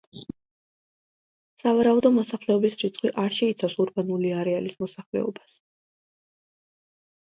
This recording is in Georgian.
სავარაუდო მოსახლეობის რიცხვი არ შეიცავს ურბანული არეალის მოსახლეობას.